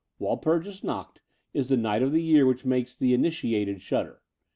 Walpurgis Nacht is the xiight of the year which makes the initiated shudder.